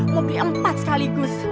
mau beli empat sekaligus